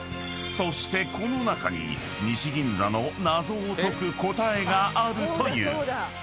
［そしてこの中に西銀座の謎を解く答えがあるという］